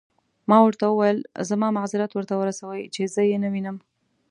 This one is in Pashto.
ما ورته وویل: زما معذرت ورته ورسوئ، چې زه يې نه وینم.